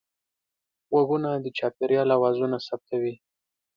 غوږونه د چاپېریال اوازونه ثبتوي